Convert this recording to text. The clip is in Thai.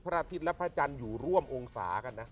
อาทิตย์และพระจันทร์อยู่ร่วมองศากันนะ